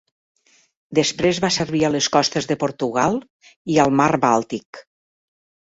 Després va servir a les costes de Portugal i al mar Bàltic.